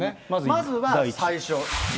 まずは最初。